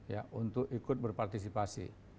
ya untuk ikut berpartisipasi